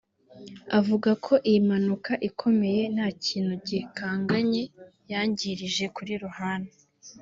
avuga ko iyi mpanuka ikomeye nta kintu gikanganye yangirije kuri Lohan